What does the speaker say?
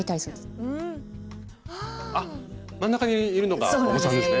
真ん中にいるのがお子さんですね。